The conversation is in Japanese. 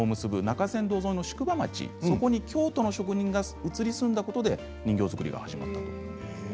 旧中山道沿いの宿場町でそこに京都の職人が移り住んだことで人形作りが始まったと。